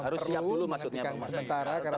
harus siap dulu maksudnya pak martin